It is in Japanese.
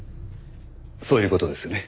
そういう事ですよね？